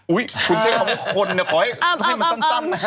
อุ๊ยคุณเตอร์ของคนขอให้มันสั้นนะฮะ